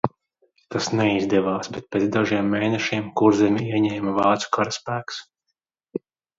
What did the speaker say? Tas neizdevās, bet pēc dažiem mēnešiem Kurzemi ieņēma vācu karaspēks.